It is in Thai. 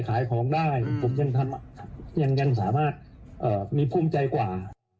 ขายของได้ผมยังสามารถมีภูมิใจกว่า